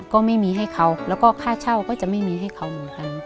ก็ไม่มีให้เขาแล้วก็ค่าเช่าก็จะไม่มีให้เขาเหมือนกัน